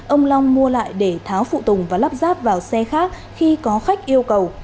ông long mua lại để tháo phụ tùng và lắp ráp vào xe khác khi có khách yêu cầu